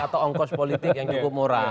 atau ongkos politik yang cukup murah